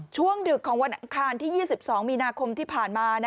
ดึกของวันอังคารที่๒๒มีนาคมที่ผ่านมา